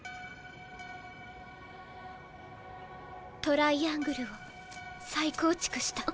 トライアングルを再構築した。